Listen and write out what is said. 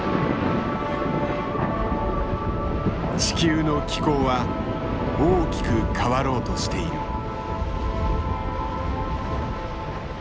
地球の気候は大きく変わろうとしている。